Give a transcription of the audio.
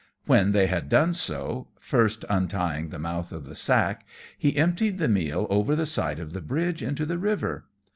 When they had done so, first untying the mouth of the sack, he emptied the meal over the side of the bridge into the river.